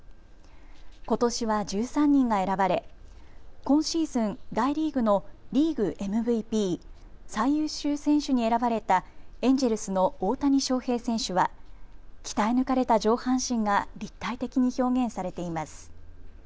ことしは１３人が選ばれ今シーズン、大リーグのリーグＭＶＰ・最優秀選手に選ばれたエンジェルスの大谷翔平選手は鍛え抜かれた上半身が立体的に表現されています。